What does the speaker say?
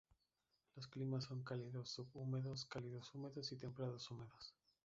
Los climas son cálidos sub húmedos, cálidos húmedos y templados húmedos.